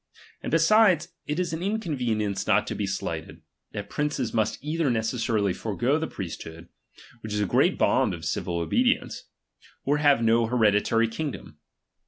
And besides, it is an in convenience not to be slighted, that princes must either necessarily forego the priesthood, which is a great bond of civil obedience ; or have no here ditary kingdom.